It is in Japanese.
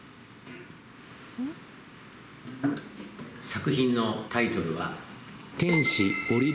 作品のタイトルは。